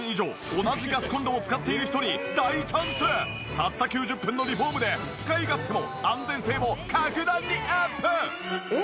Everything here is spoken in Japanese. たった９０分のリフォームで使い勝手も安全性も格段にアップ！